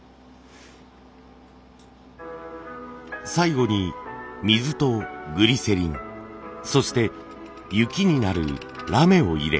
最後に水とグリセリンそして雪になるラメを入れ。